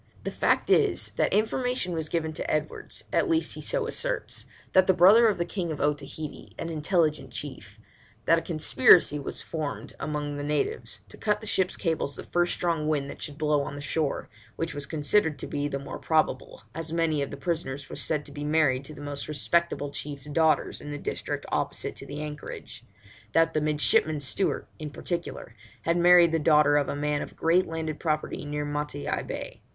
The fact is, that information was given to Edwards, at least he so asserts, by the brother of the King of Otaheite, an intelligent chief, that a conspiracy was formed among the natives to cut the ship's cables the first strong wind that should blow on the shore, which was considered to be the more probable, as many of the prisoners were said to be married to the most respectable chiefs' daughters in the district opposite to the anchorage; that the midshipman Stewart, in particular, had married the daughter of a man of great landed property near Matavai Bay.